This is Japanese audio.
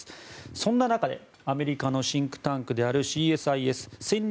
そんな中でアメリカのシンクタンクであるＣＳＩＳ・戦略